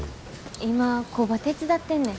今工場手伝ってんねん。